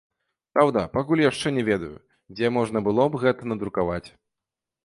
Праўда, пакуль яшчэ не ведаю, дзе можна было б гэта надрукаваць.